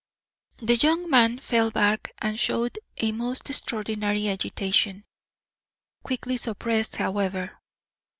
The young man fell back and showed a most extraordinary agitation, quickly suppressed, however.